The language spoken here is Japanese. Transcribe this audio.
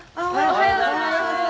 おはようございます。